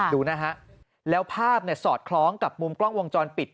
ดูนะฮะแล้วภาพสอดคล้องกับมุมกล้องวงจรปิด